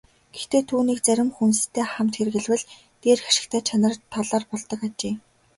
Гэхдээ түүнийг зарим хүнстэй хамт хэрэглэвэл дээрх ашигтай чанар талаар болдог ажээ.